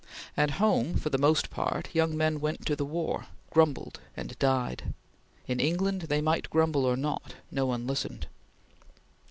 At home, for the most part, young men went to the war, grumbled and died; in England they might grumble or not; no one listened.